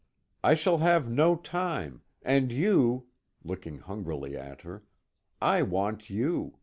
I shall have no time, and you " looking hungrily at her "I want you.